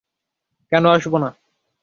কেন আসবো না?